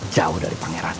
jauh dari pangeran